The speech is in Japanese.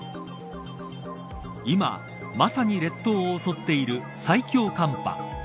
今、まさに列島を襲っている最強寒波。